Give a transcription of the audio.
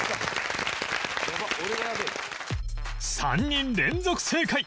３人連続正解